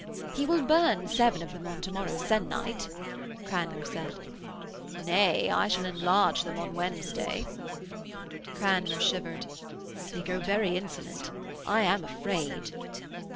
'He will burn seven of them on to morrow sennight,' Cranmer said. 'Nay! I shall enlarge them on Wednesday.' Cranmer shivered. 'They grow very insolent. I am afraid.'